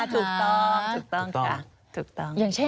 ถูกต้องค่ะ